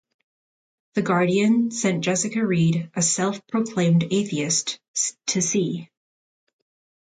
"The Guardian" sent Jessica Reed, a self-proclaimed atheist, to see.